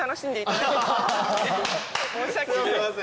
すみません。